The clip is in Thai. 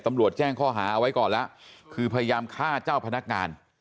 ตำรวจแจ้งข้อหาเอาไว้ก่อนแล้วคือพยายามฆ่าเจ้าพนักงาน